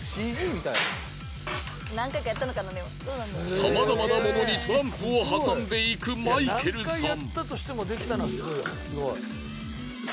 さまざまなものにトランプを挟んでいくマイケルさん。